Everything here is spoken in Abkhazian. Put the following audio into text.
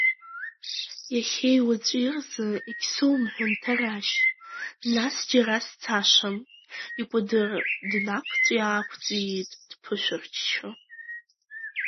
Иахьеи уаҵәи рзы егьсоумҳәан Ҭарашь, нас џьара сцашам, икәадыр днақәҵәи-аақәҵәиит дԥышәырччо.